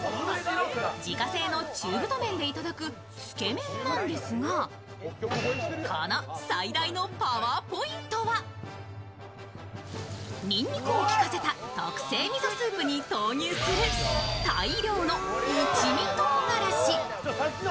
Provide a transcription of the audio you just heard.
自家製の中太麺でいただくつけ麺なんですがこちらの最大のパワーポイントはにんにくを効かせた特製味噌スープに投入する大量の一味とうがらし。